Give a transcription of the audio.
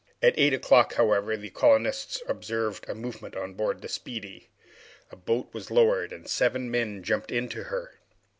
At eight o'clock, however, the colonists observed a movement on board the "Speedy." A boat was lowered, and seven men jumped into her.